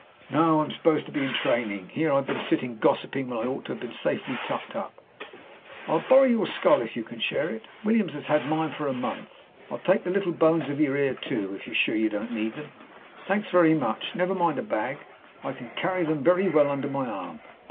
"Not I. I'm supposed to be in training. Here I've been sitting gossiping when I ought to have been safely tucked up. I'll borrow your skull, if you can share it. Williams has had mine for a month. I'll take the little bones of your ear, too, if you are sure you won't need them. Thanks very much. Never mind a bag, I can carry them very well under my arm.